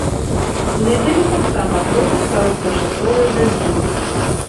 У нядзелю таксама пройдуць кароткачасовыя дажджы.